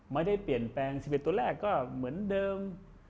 ไม่ได้เปลี่ยนแปลง๑๑ตัวแรกก็เหมือนเดิม